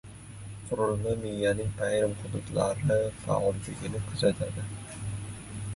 Qurilma miyaning ayrim hududlari faolligini kuzatadi.